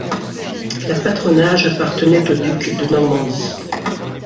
La patronage appartenait au duc de Normandie.